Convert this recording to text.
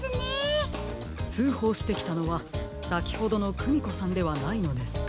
つうほうしてきたのはさきほどのクミコさんではないのですか？